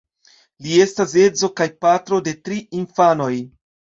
Li estas edzo kaj patro de tri infanoj.